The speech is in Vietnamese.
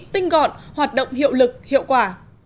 tinh gọn hoạt động hiệu lực hiệu quả